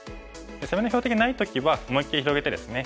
攻めの標的がない時は思いっきり広げてですね